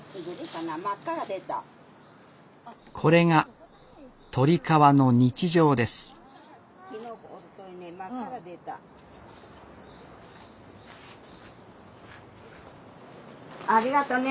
これが鳥川の日常ですありがとね